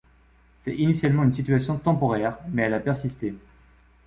C’est initialement une situation temporaire, mais elle a persisté.